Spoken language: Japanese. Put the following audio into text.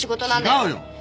違うよ！